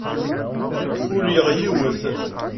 Ulyeɣ yiwet.